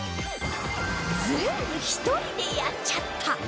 全部１人でやっちゃった！